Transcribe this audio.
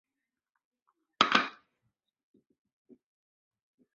其目的在于重画拿破仑战败后的欧洲政治地图。